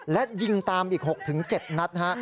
และยิงตามอีก๖๗นัดฮะ